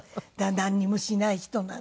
なんにもしない人なの。